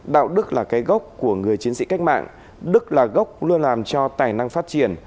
đạo đức là cái gốc của người chiến sĩ cách mạng đức là gốc luôn làm cho tài năng phát triển